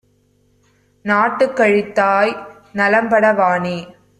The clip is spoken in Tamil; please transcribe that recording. நாட்டுக் கழித்தாய் நலம்பட வாநீ